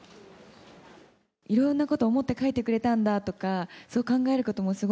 いろんなことを思って書いてくれたんだとか、そう考えること